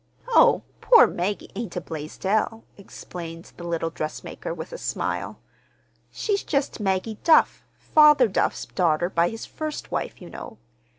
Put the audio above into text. "Oh, poor Maggie ain't a Blaisdell," explained the little dressmaker, with a smile. "She's just Maggie Duff, father Duff's daughter by his first wife, you know.